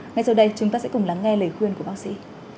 ngay sau đây chúng ta sẽ cùng lắng nghe lời khuyên của bác sĩ